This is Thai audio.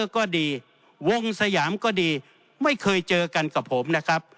ก็ดีวงสยามก็ดีไม่เคยเจอกันกับผมนะครับ